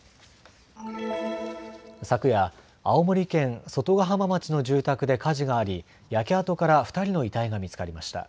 昨夜、青森県外ヶ浜町の住宅で火事があり焼け跡から２人の遺体が見つかりました。